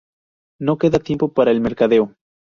No queda tiempo para el mercadeo.